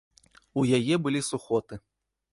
У яе былі сухоты.